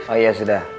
oh ya sudah